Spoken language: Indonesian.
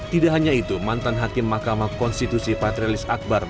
tidak hanya itu mantan hakim mahkamah konstitusi patrialis akbar